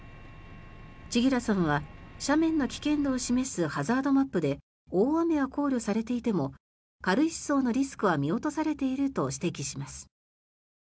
千木良さんは斜面の危険度を示すハザードマップで大雨は考慮されていても軽石層のリスクは見落とされていると指摘します。